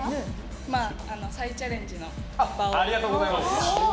再チャレンジの場を。